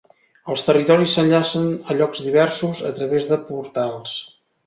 Els territoris s'enllacen a llocs diversos a través de portals.